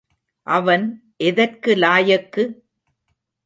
அவன் எதற்கு லாயக்கு?